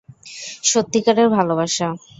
সত্যি কারের ভালোবাসা।